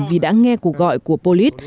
vì đã nghe cuộc gọi của polis